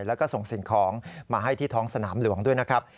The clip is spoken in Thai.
แล้วก็ส่งสิ่งของมาให้ที่ท้องสนามหลวงด้วยนะครับ